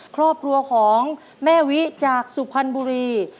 ครอบครัวของแม่วิจากสุพรรณบุรี